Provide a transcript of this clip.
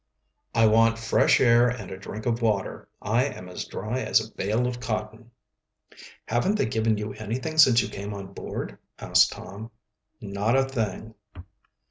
"I want fresh air and a drink of water. I am as dry as a bale of cotton." "Haven't they given you anything since you came on board?" asked Tom. "Not a thing."